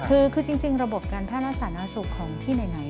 คือจริงระบบการท่ามาสระนาวศูกร์ของที่ไหน